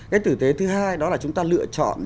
cái tử tế thứ hai đó là chúng ta lựa chọn